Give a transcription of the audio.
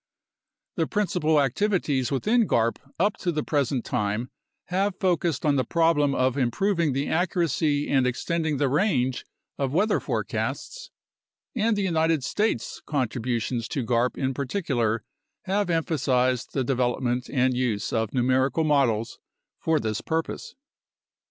The principal activities within garp up to the present time have focused on the problem of improving the accuracy and extending the range of weather forecasts, and the United States' contributions to garp in par ticular have emphasized the development and use of numerical models for this purpose.